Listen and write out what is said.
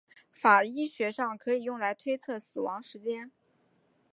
法医学上可以用来推测死亡时间。